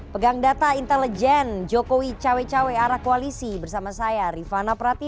pegang data intelijen jokowi cawe cawe arah koalisi bersama saya rifana prati